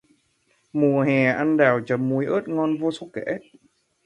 Mùa hè ăn đào chấm muối ớt ngon vô sổ kể